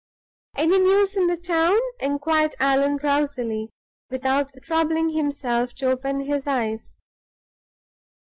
"Any news in the town?" inquired Allan, drowsily, without troubling himself to open his eyes.